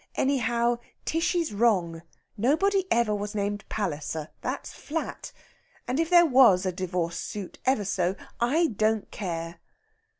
"Anyhow, Tishy's wrong. Nobody ever was named Palliser that's flat! And if there was a divorce suit ever so, I don't care!..."